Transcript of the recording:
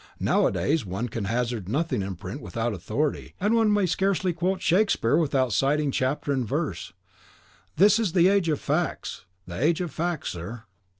Nowadays one can hazard nothing in print without authority, and one may scarcely quote Shakespeare without citing chapter and verse. This is the age of facts, the age of facts, sir."